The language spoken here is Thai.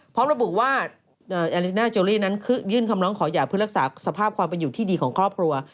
พร้อมระบุว่าแอลิน่าโจลี่นั้นยื่นคำร้องขอหย่าเพื่อรักษาสภาพความเป็นอยู่ที่ดีของครอบครัว